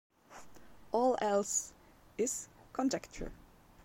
All else is conjecture.